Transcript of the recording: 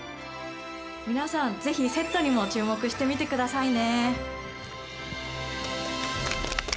皆さん、ぜひセットにも注目して見てくださいね！